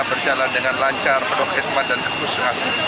berjalan dengan lancar berhutang khidmat dan kekusuhan